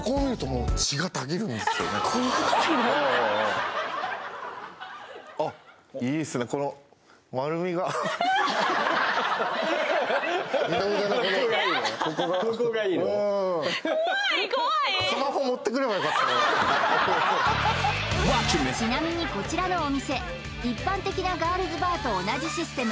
うんちなみにこちらのお店一般的なガールズバーと同じシステム